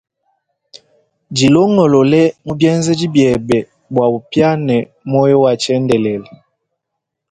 Dilongolole mu bienzedi biebe bua upiane muoyo wa tshiendelele.